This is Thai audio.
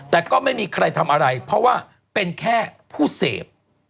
แต่ก็ไม่มีใครทำอะไรเพราะว่าเป็นแค่ผู้เสพ